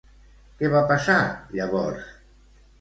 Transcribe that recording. Què va passar llavors?